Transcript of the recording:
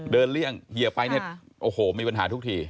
เลี่ยงเหยียบไปเนี่ยโอ้โหมีปัญหาทุกที